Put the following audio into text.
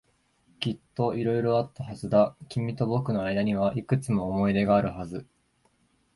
きっと色々あったはずだ。君と僕の間にはいくつも思い出があるはず。